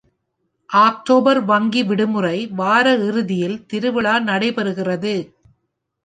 October வங்கி விடுமுறை வாரஇறுதியில் திருவிழா நடைபெறுகிறது.